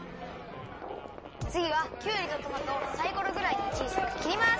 つぎはきゅうりとトマトをサイコロぐらいにちいさくきります。